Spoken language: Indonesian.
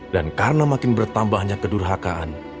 dan karena makin bertambahnya kedurhakaan